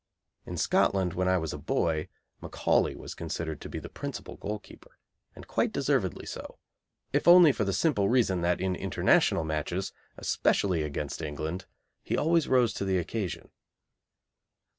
In Scotland, when I was a boy, Macaulay was considered to be the principal goalkeeper, and quite deservedly so, if only for the simple reason that in International matches, especially against England, he always rose to the occasion.